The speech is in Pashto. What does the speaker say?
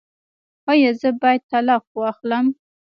ایا زه باید طلاق واخلم؟